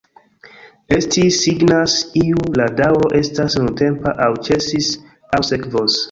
Esti signas, iu la daŭro estas nuntempa, aŭ ĉesis, aŭ sekvos.